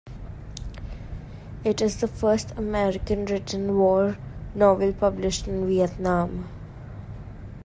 It is the first American-written war novel published in Vietnam.